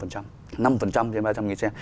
năm thêm ba trăm linh xe